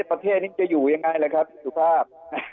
ประเทศนี้จะอยู่ยังไงล่ะครับสุภาพ